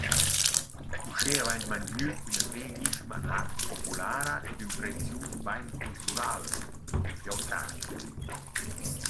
Uschea vain mantgnü üna veglischma art populara ed ün prezius bain cultural –il fieutrar.